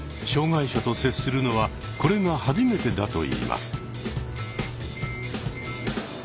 障害者と接するのはこれが初めてだといいます。